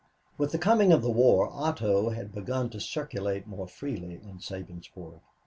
With the coming of the war Otto had begun to circulate more freely in Sabinsport.